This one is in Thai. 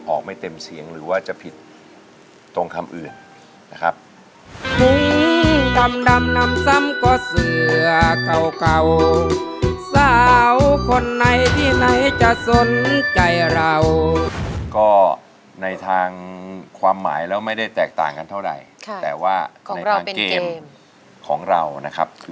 ออกไม่เต็มเสียงหรือว่าจะผิดตรงคำอื่นนะครับ